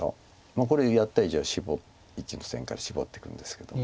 これやった以上１の線からシボっていくんですけども。